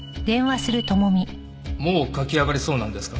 もう書き上がりそうなんですか？